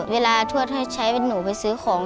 ทวดให้ใช้เป็นหนูไปซื้อของ